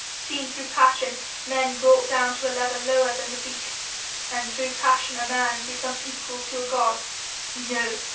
seen through passion men brought down to a level lower than the beasts, and through passion a man become equal to a god. No!